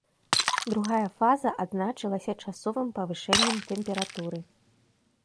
Другая фаза адзначылася часовым павышэннем тэмпературы.